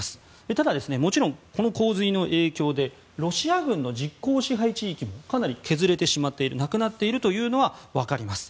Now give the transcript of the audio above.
ただ、もちろんこの洪水の影響でロシア軍の実効支配地域もかなり削れてしまっているなくなっているというのは分かります。